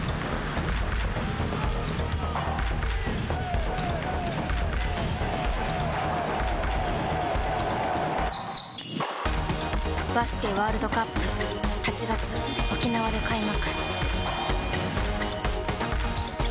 ニトリバスケワールドカップ８月沖縄で開幕